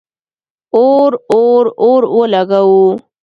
اور، اور، اور ولګوو